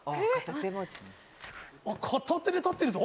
片手で立ってるぞ！